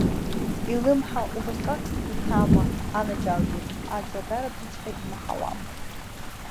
Илымҳа убасҟак ицама, анаџьалбеит, аӡлагарабжьыҵәҟьа имаҳауа.